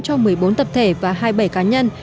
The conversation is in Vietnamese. cho một mươi bốn tập thể và hai mươi bảy cá nhân